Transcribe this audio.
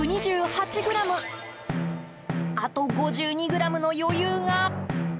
あと５２ｇの余裕が。